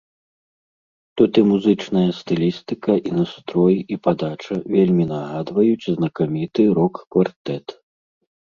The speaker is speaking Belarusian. Тут і музычная стылістыка, і настрой, і падача вельмі нагадваюць знакаміты рок-квартэт.